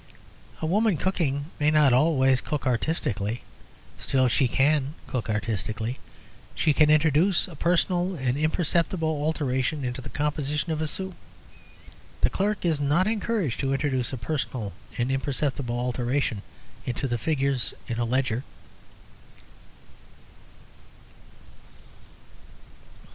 A woman cooking may not always cook artistically; still she can cook artistically. She can introduce a personal and imperceptible alteration into the composition of a soup. The clerk is not encouraged to introduce a personal and imperceptible alteration into the figures in a ledger.